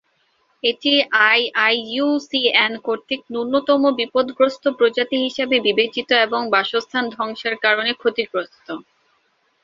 এটি আইইউসিএন কর্তৃক ন্যূনতম বিপদগ্রস্ত প্রজাতি হিসেবে বিবেচিত এবং বাসস্থান ধ্বংসের কারণে ক্ষতিগ্রস্ত।